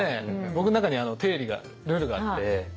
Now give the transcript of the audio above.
僕の中に定理がルールがあって。